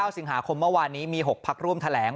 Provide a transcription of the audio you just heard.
สิงหาคมเมื่อวานนี้มี๖พักร่วมแถลง